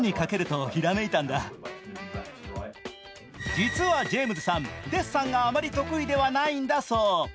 実はジェームズさん、デッサンがあまり得意ではないんだそう。